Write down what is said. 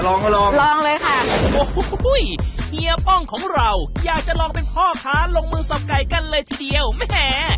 ลองลองลองเลยค่ะโอ้โหเฮียป้องของเราอยากจะลองเป็นพ่อค้าลงมือสับไก่กันเลยทีเดียวแหม